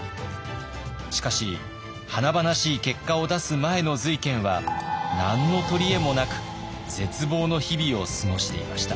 しかし華々しい結果を出す前の瑞賢は何の取り柄もなく絶望の日々を過ごしていました。